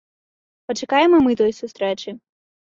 Пачакаем і мы той сустрэчы.